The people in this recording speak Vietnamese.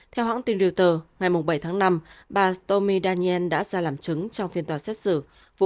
theo hãng tin reuters ngày bảy tháng năm bà stormy daniel đã ra làm chứng trong phiên tòa xét xử vụ